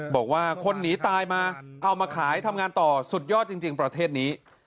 บอกว่าคนหนีตายมาเอามาขายทำงานต่อสุดยอดจริงประเทศนี้